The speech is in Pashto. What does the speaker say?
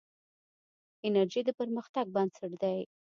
انرژي د پرمختګ بنسټ دی.